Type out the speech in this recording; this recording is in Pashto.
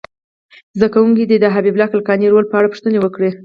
زده کوونکي دې د حبیب الله کلکاني رول په اړه پوښتنې وکړي.